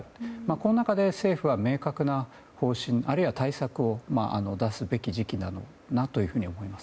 この中で政府は明確な方針あるいは対策を出すべき時期なんだろうなと思います。